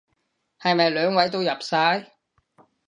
係咪兩位都入晒？